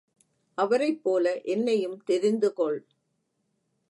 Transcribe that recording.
அவரைப் போல என்னையும் தெரிந்து கொள்.